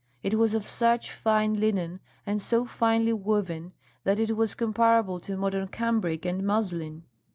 It was of such fine linen, and so finely woven, that it was comparable to modern cambric and muslin.